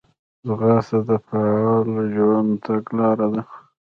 ځغاسته د فعاله ژوند تګلاره ده